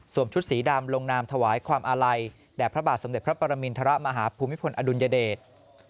ชุดสีดำลงนามถวายความอาลัยแด่พระบาทสมเด็จพระปรมินทรมาฮภูมิพลอดุลยเดช